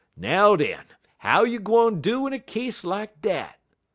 Now, den, how you gwine do in a case lak dat?'